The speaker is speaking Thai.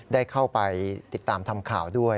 ได้เข้าไปติดตามทำข่าวด้วย